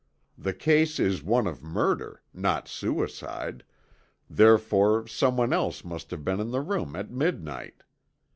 The case is one of murder, not suicide, therefore someone else must have been in the room at midnight.